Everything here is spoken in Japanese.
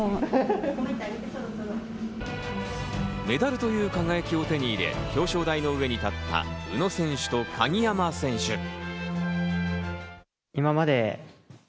メダルという輝きを手に入れ、表彰台の上に立った宇野選手と鍵山選手。